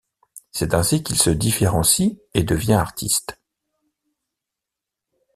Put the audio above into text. C'est ainsi qu'il se différencie et devient artiste.